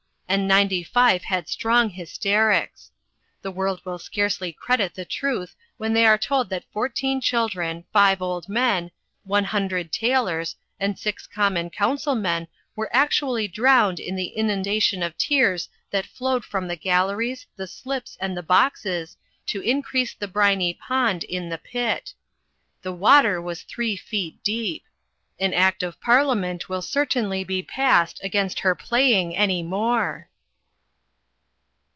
and ninety five had strong hysterics. The world will scarcely credit the truth when they are told that fourteen children, five old men, one hundred tailors, and six common councilmen were actually drowned in the inundation of tears that flowed from the galleries, the slips, and the boxes, to increase the briny pond in the pit. The water was three feet deep. An Act of Parliament will certainly be passed against her playing any more!"